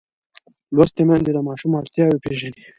لوستې میندې د ماشوم اړتیاوې پېژني.